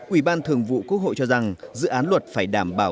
ủy ban thường vụ quốc hội cho rằng dự án luật phải đảm bảo